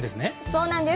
そうなんです。